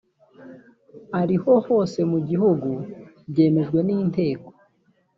ariho hose mu gihugu byemejwe n inteko